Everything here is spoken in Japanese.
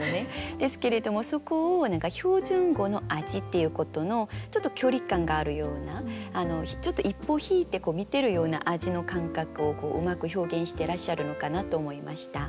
ですけれどもそこを何か「標準語の味」っていうことのちょっと距離感があるようなちょっと一歩引いて見てるような味の感覚をうまく表現してらっしゃるのかなと思いました。